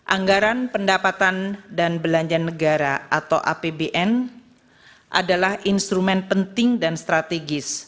anggaran pendapatan dan belanja negara atau apbn adalah instrumen penting dan strategis